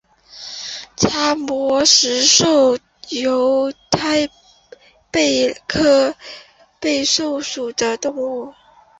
叉膜石蛏为贻贝科石蛏属的动物。